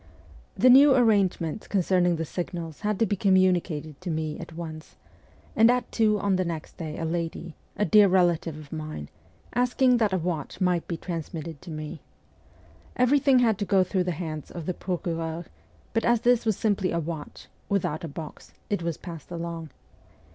The new arrangements concerning the signals had to be communicated to me at once ; and at two on the next day a lady a dear relative of mine came to the prison, asking that a watch might be transmitted to me. Everything had to go through the hands of the procureur ; but as this was simply a watch, without a box, it was passed along.